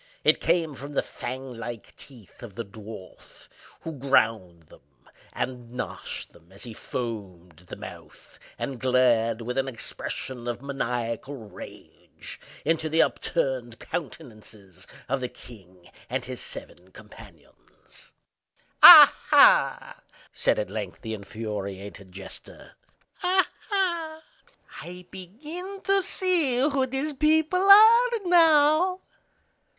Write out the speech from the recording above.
It came from the fang like teeth of the dwarf, who ground them and gnashed them as he foamed at the mouth, and glared, with an expression of maniacal rage, into the upturned countenances of the king and his seven companions. "Ah, ha!" said at length the infuriated jester. "Ah, ha! I begin to see who these people are now!"